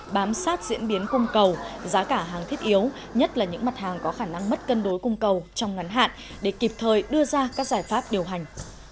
bám sát diễn biến cung cầu giá cả hàng thiết yếu nhất là những mặt hàng có khả năng mất cân đối cung cầu trong ngắn hạn để kịp thời đưa ra các giải pháp điều hành